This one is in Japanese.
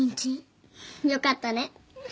よかったね。